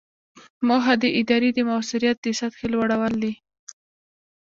موخه د ادارې د مؤثریت د سطحې لوړول دي.